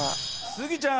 スギちゃん